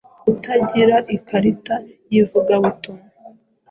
Kutagira ikarita y’ivugabutumwa,